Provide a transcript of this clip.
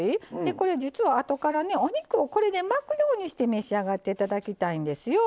これ、実は、あとからお肉をこれで巻くようにして召し上がっていただきたいんですよ。